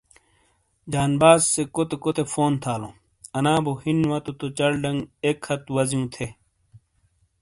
جانباز سے کوتے کوتے فون تھالو انا بو ہین وتو تو چل ڈنگ ایک ہتھ وزیوں تھے ۔